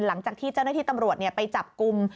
หลังจากที่เจ้าหน้าที่ตำรวจไปจับกลุ่ม